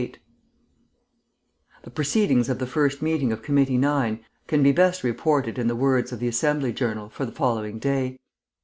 28 The proceedings of the first meeting of Committee No. 9 can be best reported in the words of the Assembly Journal for the following day.